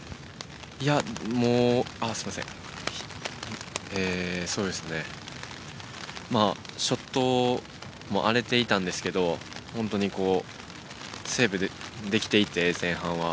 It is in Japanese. ◆いや、すみません、そうですね、まあ、ショットも荒れていたんですけど、本当にセーブできていて、前半は。